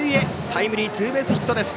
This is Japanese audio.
タイムリーツーベースヒットです。